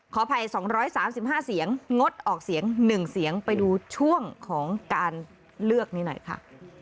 ขออภัย๒๓๕เสียงงดออกเสียง๑เสียงไปดูช่วงของการเลือกนี้หน่อยค่ะ